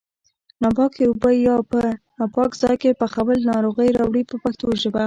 ناپاکې اوبه یا په ناپاک ځای کې پخول ناروغۍ راوړي په پښتو ژبه.